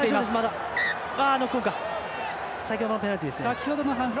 先ほどの反則。